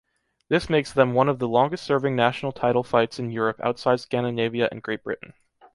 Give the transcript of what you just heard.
This makes them one of the longest-serving national title fights in Europe outside Scandinavia and Great Britain.